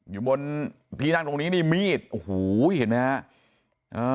อยู่บนพี่นั่งตรงนี้นี่มีดโอ้โหเห็นมั้ยครับ